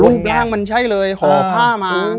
รูปร่างมันใช่เลยห่อผ้ามา